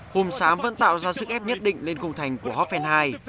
hùng sám vẫn tạo ra sức ép nhất định lên cùng thành của ho phenhai